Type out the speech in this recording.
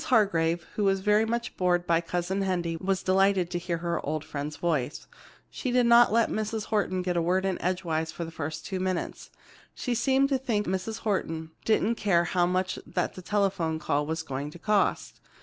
Hargrave, who was very much bored by Cousin Hendy, was delighted to hear her old friend's voice. She did not let Mrs. Horton get a word in edgewise for the first two minutes. She seemed to think Mrs. Horton didn't care how much that telephone call was going to cost.